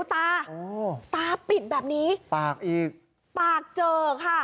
ตาตาปิดแบบนี้ปากอีกปากเจอค่ะ